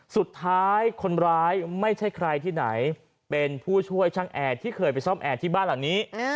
สุดท้ายคนร้ายไม่ใช่ใครที่ไหนเป็นผู้ช่วยช่างแอร์ที่เคยไปซ่อมแอร์ที่บ้านหลังนี้